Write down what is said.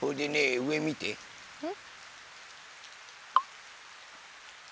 うん。